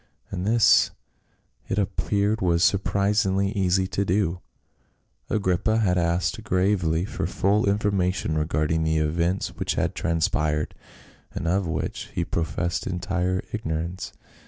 And this it appeared was surprisingly easy to do. Agrippa had asked gravely for full information regard ing the events which had transpired, and of which he professed entire ignorance.